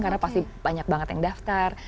karena pasti banyak banget yang daftar